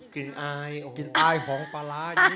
กลิ่นอายของปลาร้ายนิดนิด